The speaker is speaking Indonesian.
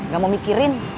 gak mau mikirin takut stres